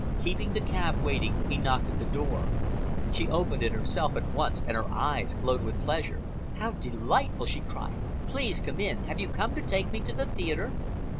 Keeping the cab waiting, he knocked at the door. She opened it herself at once, and her eyes glowed with pleasure. "How delightful!" she cried. "Please come in. Have you come to take me to the theatre?"